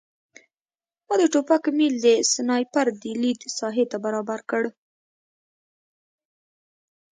ما د ټوپک میل د سنایپر د لید ساحې ته برابر کړ